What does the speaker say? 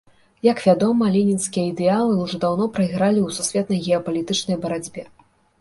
Як вядома, ленінскія ідэалы ўжо даўно прайгралі ў сусветнай геапалітычнай барацьбе.